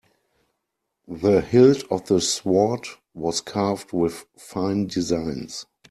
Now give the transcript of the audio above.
The hilt of the sword was carved with fine designs.